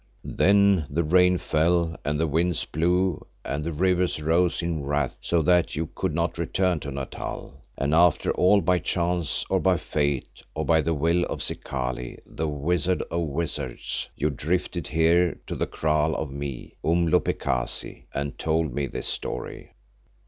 "Then the rain fell and the winds blew and the rivers rose in wrath so that you could not return to Natal, and after all by chance, or by fate, or by the will of Zikali, the wizard of wizards, you drifted here to the kraal of me, Umhlopekazi, and told me this story."